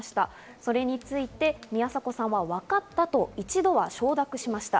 それについて宮迫さんはわかったと一度は承諾しました。